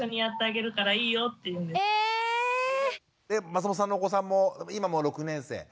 松本さんのお子さんも今もう６年生。